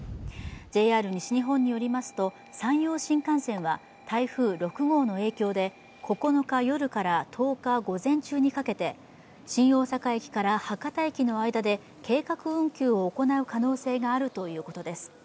ＪＲ西日本によりますと、山陽新幹線は台風６号の影響で９日夜から１０日午前中にかけて新大阪駅から博多駅の間で計画運休を行う可能性があるということです。